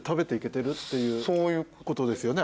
そういうことですよね？